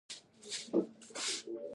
د فراه په شیب کوه کې د مسو نښې شته.